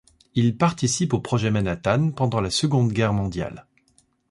Il participe au projet Manhattan pendant la Seconde Guerre mondiale.